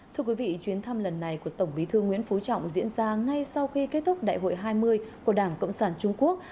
thưa quý vị chuyến thăm lần này của tổng bí thư nguyễn phú trọng diễn ra ngay sau khi kết thúc đại hội hai mươi của đảng cộng sản trung quốc